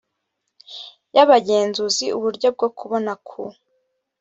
y abagenzuzi uburyo bwo kubona ku